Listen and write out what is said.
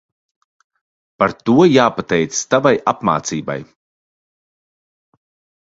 Par to jāpateicas tavai apmācībai.